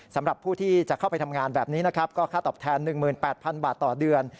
สำหรับผู้ที่จะเข้าไปทำงานแบบนี้นะครับก็ค่าตอบแทน๑๘๐๐๐บาทต่อเดือน